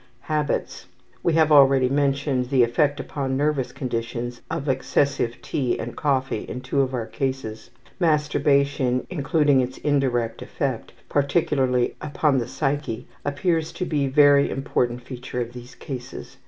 Habits. We have already mentioned the effect upon nervous conditions of excessive tea and coffee in two of our cases. Masturbation, including its indirect effect, particularly upon the psyche, appears to be a very important feature of these cases.